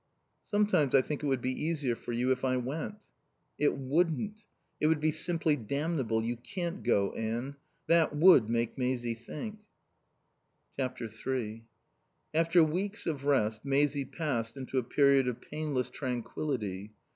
"Sometimes I think it would be easier for you if I went." "It wouldn't. It would be simply damnable. You can't go, Anne. That would make Maisie think." iii After weeks of rest Maisie passed into a period of painless tranquillity.